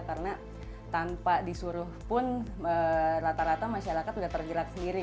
karena tanpa disuruh pun rata rata masyarakat sudah tergerak sendiri